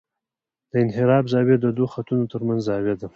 د انحراف زاویه د دوه خطونو ترمنځ زاویه ده